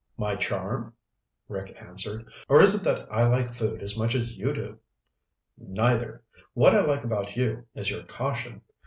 "My charm," Rick answered. "Or is it that I like food as much as you do?" "Neither. What I like about you is your caution.